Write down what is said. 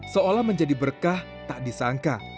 seolah menjadi berkah tak disangka